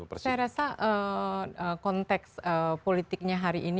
saya rasa konteks politiknya hari ini